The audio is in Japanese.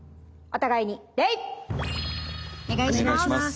お願いします。